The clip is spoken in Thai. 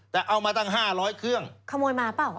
แต่เอามาตั้ง๕๐๐เครื่องขโมยมาเปล่า